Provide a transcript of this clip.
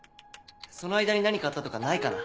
その間に何かあったとかないかな？